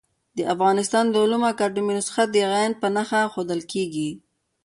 د افغانستان د علومو اکاډيمۍ نسخه د ع په نخښه ښوول کېږي.